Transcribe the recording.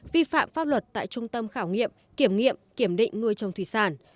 vi phạm pháp luật tại trung tâm khảo nghiệm kiểm nghiệm kiểm định nuôi trồng thủy sản